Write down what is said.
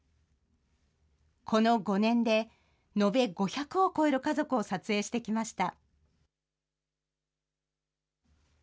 この５年で、延べ５００を超える家族を撮影してきました。